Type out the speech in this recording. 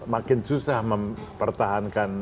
makin susah mempertahankan